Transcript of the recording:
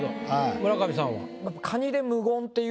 村上さんは？